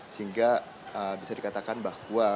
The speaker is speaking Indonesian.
sehingga bisa dikatakan bahwa